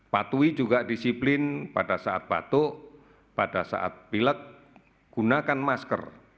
patuhi juga disiplin pada saat batuk pada saat pilek gunakan masker